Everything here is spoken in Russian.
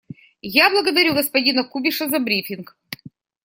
Я благодарю господина Кубиша за брифинг.